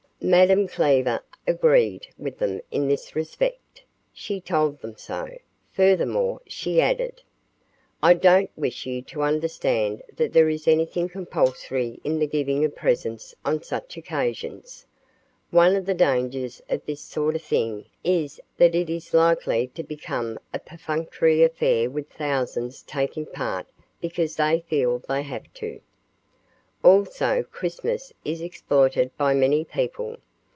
Madame Cleaver agreed with them in this respect. She told them so. Furthermore, she added: "I don't wish you to understand that there is anything compulsory in the giving of presents on such occasions. One of the dangers of this sort of thing is that it is likely to become a perfunctory affair with thousands taking part because they feel they have to. Also Christmas is exploited by many people.